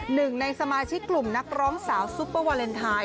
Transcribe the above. หนึ่งในสมาชิกกลุ่มนักร้องสาวซุปเปอร์วาเลนไทย